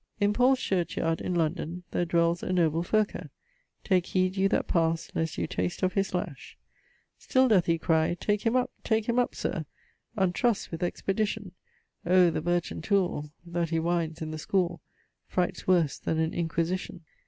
In Paul's church yard in London There dwells a noble firker; Take heed you that pass Lest you tast of his lash Still doth he cry Take him up, take him up, Sir, Untrusse with expedition. Oh the birchen tool That he winds i' th' school Frights worse than an inquisition.